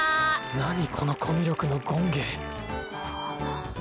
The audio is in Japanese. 何このコミュ力の権化